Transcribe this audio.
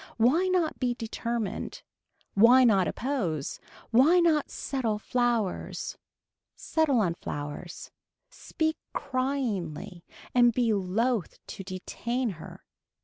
Why not be determined. Why not oppose. Why not settle flowers. Settle on flowers, speak cryingly and be loath to detain her.